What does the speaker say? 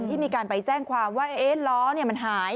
ที่มีการไปแจ้งความว่าล้อมันหาย